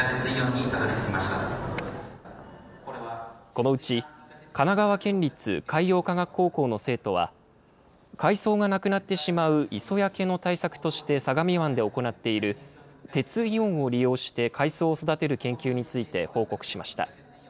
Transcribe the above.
このうち、神奈川県立海洋科学高校の生徒は、海藻がなくなってしまう磯焼けの対策として相模湾で行っている、鉄イオンを利用して海藻を育てる研究について報告しました。